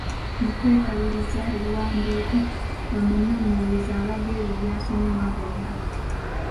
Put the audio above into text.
Mu kwekaliriza ebiwandiiko, omunoonyereza alaga ebyo by’asomye nga bwe biri.